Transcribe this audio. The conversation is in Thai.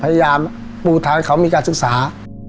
พยาบาลผู้ทางเขามีการศึกษา